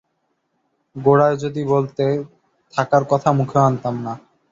গোড়ায় যদি বলতে, থাকার কথা মুখেও আনতাম না।